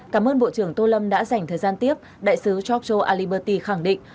cảm ơn bộ trưởng tô lâm đã dành thời gian tiếp đại sứ george aliberty khẳng định